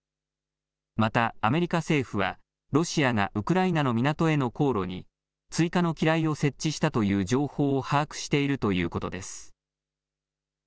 またアメリカ政府はロシアがウクライナの港への航路に追加の機雷を設置したという情報を把握しているということです。